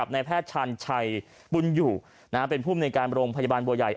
ในแพทย์ชันชัยปุ่นอยู่เป็นผู้ในการบรมพยาบาลบัวใหญ่